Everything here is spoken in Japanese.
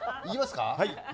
いきますか。